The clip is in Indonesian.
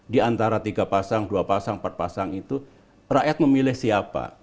di antara tiga pasang dua pasang empat pasang itu rakyat memilih siapa